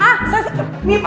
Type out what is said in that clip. makasih ya mas